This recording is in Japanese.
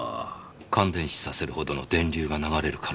感電死させるほどの電流が流れる可能性が。